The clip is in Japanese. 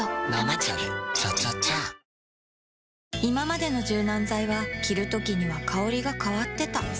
いままでの柔軟剤は着るときには香りが変わってた